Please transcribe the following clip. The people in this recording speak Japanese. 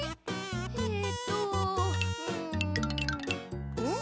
えっとうんん？